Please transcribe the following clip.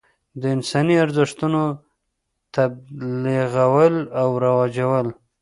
د انساني ارزښتونو تبلیغول او رواجول.